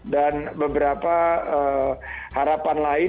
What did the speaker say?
dan beberapa harapan lain